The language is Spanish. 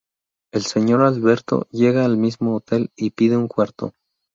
El señor Alberto llega al mismo hotel y pide un cuarto.